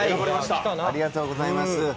ありがとうございます。